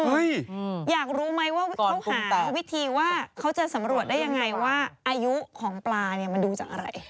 อยากรู้ไหมว่าเขาหาวิธีว่าเขาจะสำรวจได้ยังไงว่าอายุของปลาเนี่ยมันดูจากอะไร